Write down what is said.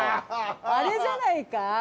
あれじゃないか？